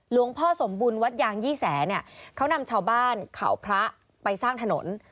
หลวงพ่อสมบุญวัดยางยี่แสเนี่ยเขานำชาวบ้านเขาพระไปสร้างถนน